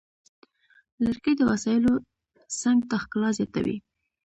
لرګی د وسایلو څنګ ته ښکلا زیاتوي.